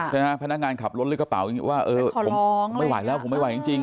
ใช่ไหมพนักงานขับรถเลือกกระเป๋าว่าผมไม่ไหวแล้วผมไม่ไหวจริง